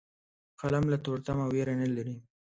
قلم له تورتمه ویره نه لري